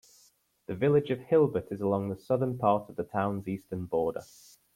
The village of Hilbert is along the southern part of the town's eastern border.